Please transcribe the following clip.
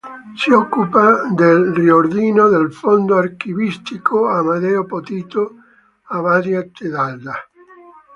Si occupa del riordino del fondo archivistico Amedeo Potito a Badia Tedalda.